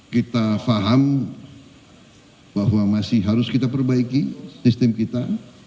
kita paham bahwa masih harus kita perbaiki sistem kita